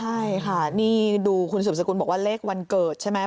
ใช่ค่ะนี่ดูคุณสืบสกุลบอกว่าเลขวันเกิดใช่ไหม